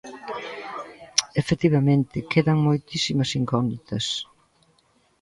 Efectivamente, quedan moitísimas incógnitas.